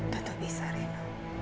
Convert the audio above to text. tentu bisa reno